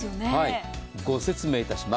ご説明いたします。